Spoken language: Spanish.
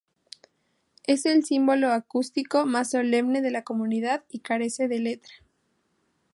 Es el símbolo acústico más solemne de la comunidad y carece de letra.